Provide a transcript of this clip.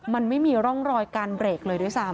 มันไม่มีร่องรอยการเบรกเลยด้วยซ้ำ